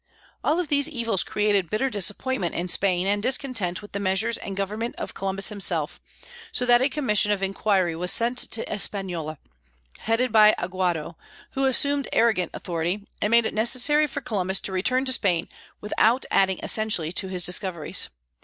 All of these evils created bitter disappointment in Spain and discontent with the measures and government of Columbus himself, so that a commission of inquiry was sent to Hispaniola, headed by Aguado, who assumed arrogant authority, and made it necessary for Columbus to return to Spain without adding essentially to his discoveries.